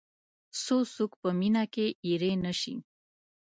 څو څوک په مینه کې اېرې نه شي.